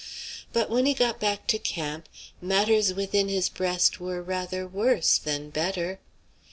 but when he got back to camp, matters within his breast were rather worse than better.